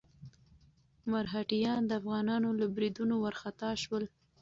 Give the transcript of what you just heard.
مرهټیان د افغانانو له بريدونو وارخطا شول.